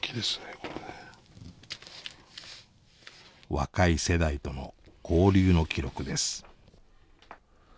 若い世代との交流の記録です。